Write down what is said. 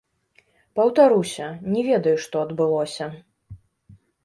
Паўтаруся, не ведаю, што адбылося.